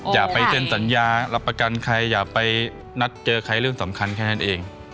อย่าไปเซ็นสัญญารับประกันใครอย่าไปนัดเจอใครเรื่องสำคัญแค่นั้นเอง